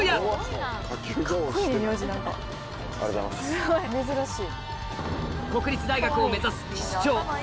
すごい珍しい。